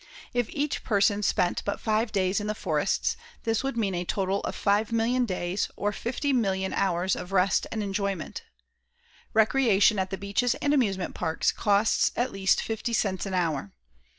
If each person spent but five days in the forests, this would mean a total of 5,000,000 days or 50,000,000 hours of rest and enjoyment. Recreation at the beaches and amusement parks costs at least fifty cents an hour.